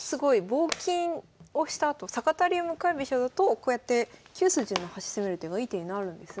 棒金をしたあと坂田流向かい飛車だとこうやって９筋の端攻める手がいい手になるんですね。